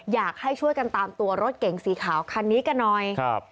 อยากให้ช่วยกันตามตัวรถเก๋งสีขาวคันนี้กันหน่อยครับ